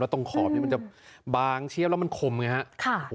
แล้วตรงขอบนี้มันจะบางเชียบแล้วมันคมอย่างนี้ครับ